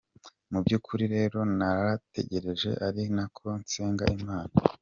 Mu byukuri rero narategereje ari nako nsenga Imana.